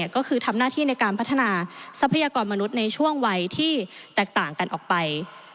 ก็คือทำหน้าที่ในการพัฒนาทรัพยากรมนุษย์ในช่วงวัยที่แตกต่างกันออกไป